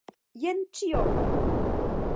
Jen ĉio!